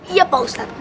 iya pak ustadz